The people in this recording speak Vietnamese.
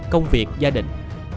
công việc gia đình